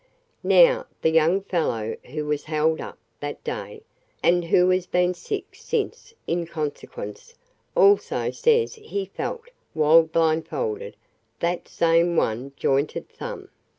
Now the young fellow who was 'held up' that day, and who has been sick since in consequence, also says he felt, while blindfolded, that same one jointed thumb.